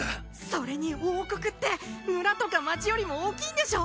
それに王国って村とか町よりも大きいんでしょ？